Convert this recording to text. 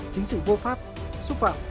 chính sự vô pháp xúc phạm